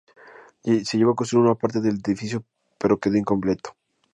Se llegó a construir una parte del edificio pero quedó incompleto.